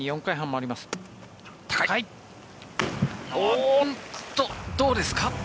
おっと、どうですか。